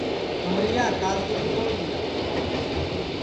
کنٚورِیا کال تُوں کِتوڑ تِیا